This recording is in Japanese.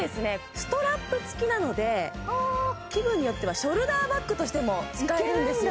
ストラップ付きなので気分によってはショルダーバッグとしても使えるんですよ